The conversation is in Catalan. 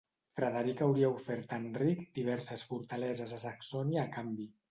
Frederic hauria ofert a Enric diverses fortaleses a Saxònia a canvi.